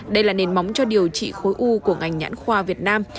đây là nền móng cho điều trị khối u của ngành nhãn khoa việt nam